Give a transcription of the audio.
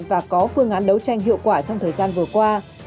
và có phương án đấu tranh hiệu quả trong thời gian vừa qua